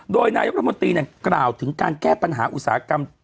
โดยนายกรัฐมนตรีกล่าวถึงการแก้ปัญหาอุตสาหกรรม